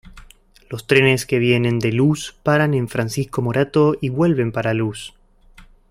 Los trenes que vienen de Luz paran en Francisco Morato y vuelven para Luz.